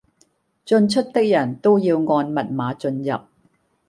進出的人都要按密碼進入